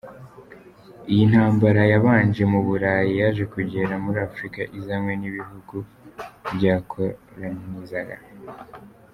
Iyi ntambara yabanje mu Burayi yaje kugera muri Afurika izanwe n’ibihugu byakolonizaga.